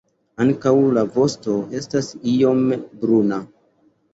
Ankaŭ la vosto estas iom bruna.